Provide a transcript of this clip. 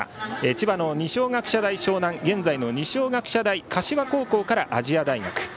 千葉の二松学舎大沼南現在の二松学舎大柏高校から亜細亜大学。